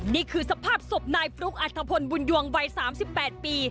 นี่คือสภาพศพนายฟลุกอทธพลบุญวงวัยสามสิบแปดปี